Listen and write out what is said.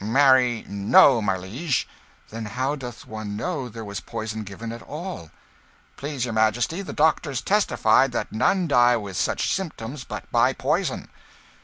"Marry, no, my liege." "Then how doth one know there was poison given at all?" "Please your Majesty, the doctors testified that none die with such symptoms but by poison."